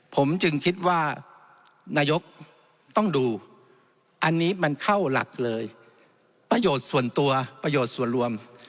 ผมจึงคิดว่านายกต้องดูอันนี้มันเข้าหลักเลยประโยชน์ส่วนตัวประโยชน์ส่วนรวม